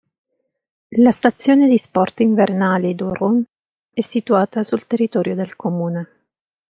La stazione di sport invernali d'Auron è situata sul territorio del comune.